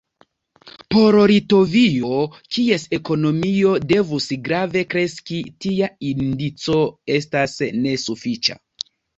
Por Litovio, kies ekonomio devus grave kreski, tia indico estas nesufiĉa.